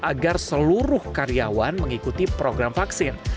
agar seluruh karyawan mengikuti program vaksin